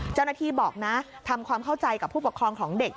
เจ้าหน้าที่บอกนะทำความเข้าใจกับผู้ปกครองของเด็ก